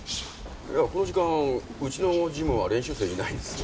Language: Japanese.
いやこの時間うちのジムは練習生いないんですよ。